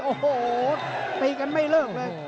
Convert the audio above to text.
โอ้โหตีกันไม่เลิกเลย